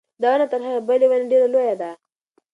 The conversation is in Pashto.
دا ونه تر هغې بلې ونې ډېره لویه ده.